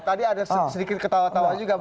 tadi ada sedikit ketawa tawa juga